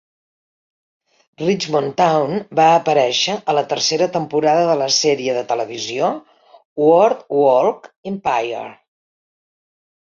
Richmond Town va aparèixer a la tercera temporada de la sèrie de televisió Boardwalk Empire.